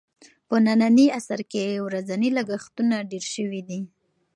په ننني عصر کې ورځني لګښتونه ډېر شوي دي.